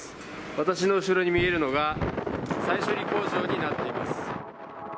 私の後ろに見えるのが再処理工場になっています